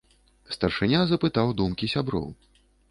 Старшыня запытаў думкі сяброў.